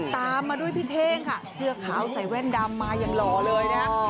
ตามมาด้วยพี่เท่งค่ะเสื้อขาวใส่แว่นดำมาอย่างหล่อเลยนะฮะ